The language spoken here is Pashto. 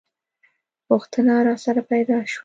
پوښتنه راسره پیدا شوه.